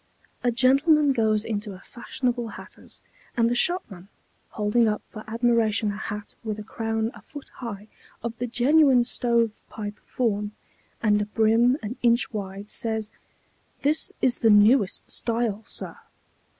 A gentleman goes into a fashionable hatter's, and the shopman, holding up for admiration a hat with a crown a foot high, of the genuine stove pipe form, and a brim an inch wide, says, "This is the newest style, Sir."